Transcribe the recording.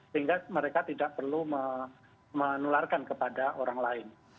sehingga mereka tidak perlu menularkan kepada orang lain